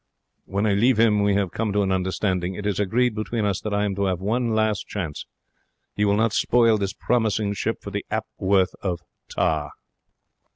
When I leave 'im we have come to an understanding. It is agreed between us that I am to 'ave one last chance. He will not spoil this promising ship for the 'a'porth of tar.